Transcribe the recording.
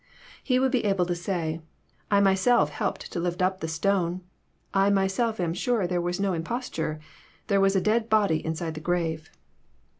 He would be able to say, I myself helped to lifb up the stone. I myself am sure there was no Imposture. There was a dead body inside the grave."